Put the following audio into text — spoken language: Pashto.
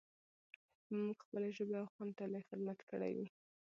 به موږ خپلې ژبې او قوم ته لوى خدمت کړى وي.